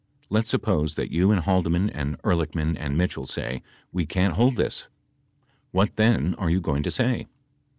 Let's suppose that you and Haldeman and Ehrlichman and Mitchell say we can't hold this ? What then are you going to say